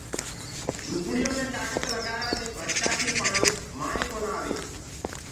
جھوپڙِيو مي ڪآگت لگآرآ دي برشآتيٚ پآڻيٚ مآئينٚ ڪونآ آوي